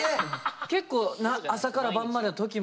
結構朝から晩までの時も？